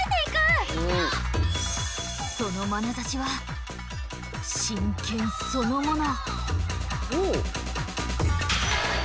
そのまなざしは真剣そのもの。